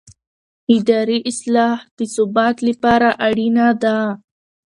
اداري اصلاح د ثبات لپاره اړینه ده